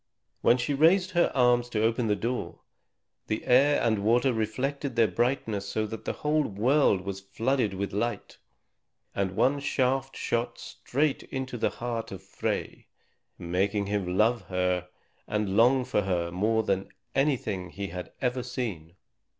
When she raised her arms to open the door, the air and water reflected their brightness so that the whole world was flooded with light, and one shaft shot straight into the heart of Frey, making him love her and long for her more than for anything he had ever seen.